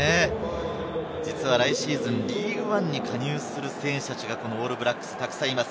来シーズン、リーグワンに加入する選手たちがオールブラックス、たくさんいます。